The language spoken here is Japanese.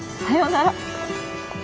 さようなら。